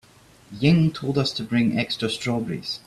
Ying told us to bring extra strawberries.